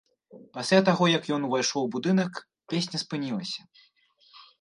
Пасля таго, як ён увайшоў у будынак, песня спынілася.